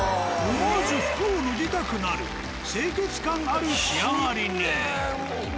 思わず服を脱ぎたくなる清潔感ある仕上がりに。